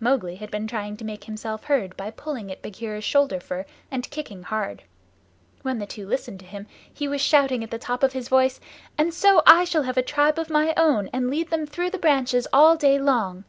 Mowgli had been trying to make himself heard by pulling at Bagheera's shoulder fur and kicking hard. When the two listened to him he was shouting at the top of his voice, "And so I shall have a tribe of my own, and lead them through the branches all day long."